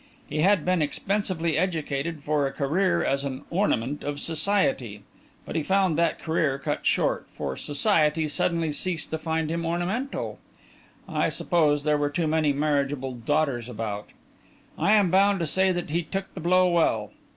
He had been expensively educated for a career as an Ornament of Society, but he found that career cut short, for Society suddenly ceased to find him ornamental. I suppose there were too many marriageable daughters about! I am bound to say that he took the blow well.